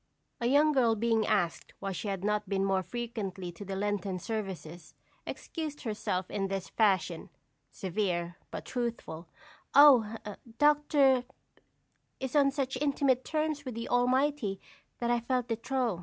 A young girl being asked why she had not been more frequently to Lenten services, excused herself in this fashion, severe, but truthful: "Oh, Dr. is on such intimate terms with the Almighty that I felt de trop."